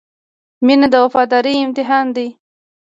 • مینه د وفادارۍ امتحان دی.